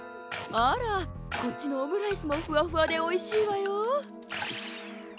あらこっちのオムライスもふわふわでおいしいわよ。